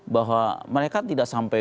bahwa mereka tidak sampai